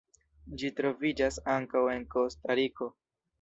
Ĝi troviĝas ankaŭ en Kostariko.